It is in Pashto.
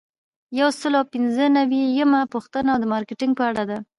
یو سل او پنځه نوي یمه پوښتنه د مارکیټینګ په اړه ده.